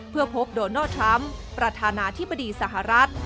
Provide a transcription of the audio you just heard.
เพื่อพบโดนัลด์ทรัมป์ประธานาธิบดีสหรัฐ